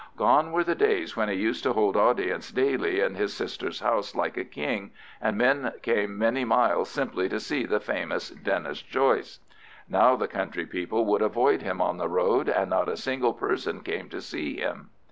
Gone were the days when he used to hold audience daily in his sister's house like a king, and men came many miles simply to see the famous Denis Joyce. Now the country people would avoid him on the road, and not a single person came to see him.